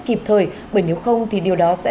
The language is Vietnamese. kịp thời bởi nếu không thì điều đó sẽ